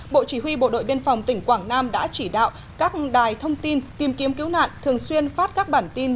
bộ chỉ huy bộ đội biên phòng tỉnh quảng nam đã chỉ đạo các đài thông tin tìm kiếm cứu nạn thường xuyên phát các bản tin